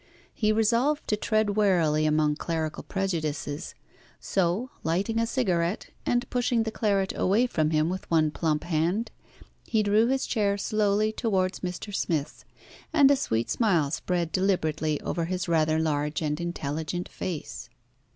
He resolved to tread warily among clerical prejudices, so, lighting a cigarette, and pushing the claret away from him with one plump hand, he drew his chair slowly towards Mr. Smith's, and a sweet smile spread deliberately over his rather large and intelligent face.